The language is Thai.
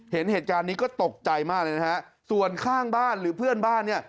เห็นเหตุการณ์นี้ก็ตกใจมากเลยนะฮะส่วนข้างบ้านหรือเพื่อนบ้านเนี่ย